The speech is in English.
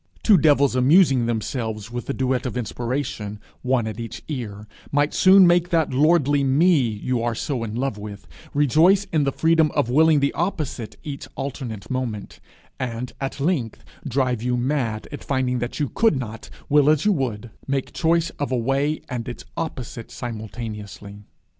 Two devils amusing themselves with a duet of inspiration, one at each ear, might soon make that lordly me you are so in love with, rejoice in the freedom of willing the opposite each alternate moment; and at length drive you mad at finding that you could not, will as you would, make choice of a way and its opposite simultaneously.